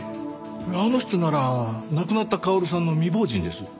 あの人なら亡くなった薫さんの未亡人です。